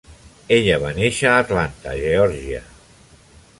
Ella va néixer a Atlanta, Geòrgia.